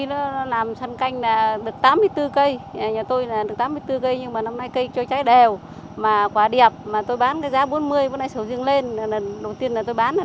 là làm công lao động của tôi ra